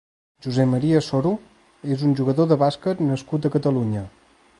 José María Soro és un jugador de bàsquet nascut a Catalunya.